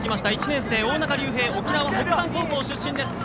１年生、大仲竜平沖縄の高校出身です。